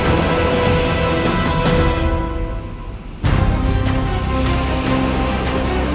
saya akan menjaga kebenaran raden